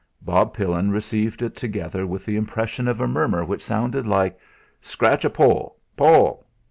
Bob Pillin received it together with the impression of a murmur which sounded like: "Scratch a poll, Poll!"